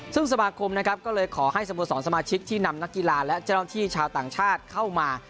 ซึ่งสมาคมนะครับก็เลยขอให้สโมสรสมาชิกที่นำนักกีฬาและเจ้าหน้าที่ชาวต่างชาติเข้ามา